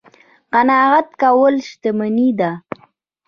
قناعت کول شتمني ده